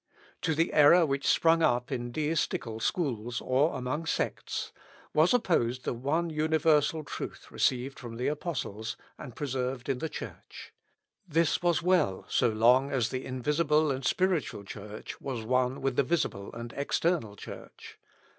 To the error which sprung up in deistical schools, or among sects, was opposed the one universal truth received from the Apostles, and preserved in the Church. This was well, so long as the invisible and spiritual Church was one with the visible and external Church.